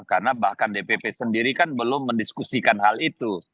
karena bahkan dpp sendiri kan belum mendiskusikan hal itu